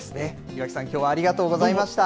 岩城さん、きょうはありがとうございました。